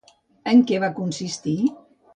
En què va consistir?